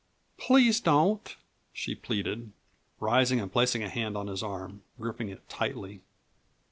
"Please don't," she pleaded, rising and placing a hand on his arm, gripping it tightly.